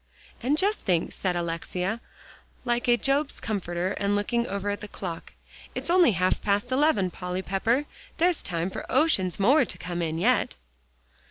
"And just think," said Alexia, like a Job's comforter, and looking over at the clock, "it's only half past eleven. Polly Pepper, there's time for oceans more to come in yet."